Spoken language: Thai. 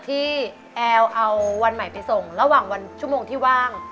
ที่แอลเอาวันใหม่ไปส่งระหว่างวันชั่วโมงที่ว่าง